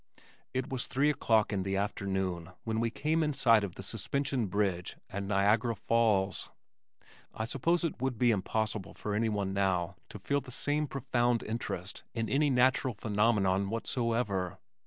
It was three o'clock in the afternoon when we came in sight of the suspension bridge and Niagara Falls. I suppose it would be impossible for anyone now to feel the same profound interest in any natural phenomenon whatsoever.